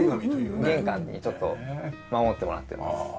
玄関にちょっと守ってもらってます。